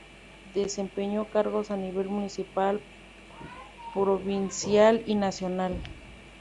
Desempeñó cargos a nivel municipal, provincial y nacional.